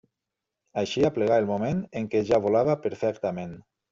Així aplegà el moment en què ja volava perfectament.